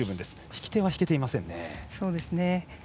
引き手が引けていませんね。